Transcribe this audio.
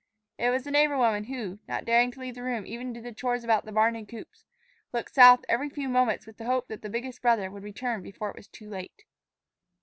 It was the neighbor woman who, not daring to leave the room even to do the chores about the barn and coops, looked south every few moments with the hope that the biggest brother would return before it was too late.